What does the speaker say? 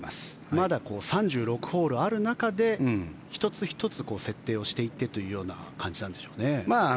まだ３６ホールある中で１つ１つ設定をしていってという感じでしょうね。